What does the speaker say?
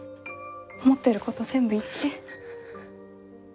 思ってること全部言って。